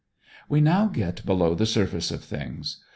We now get below the surface of things.